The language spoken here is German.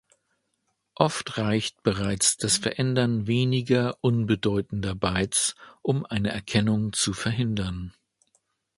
Oft reicht bereits das Verändern weniger unbedeutender Bytes, um eine Erkennung zu verhindern.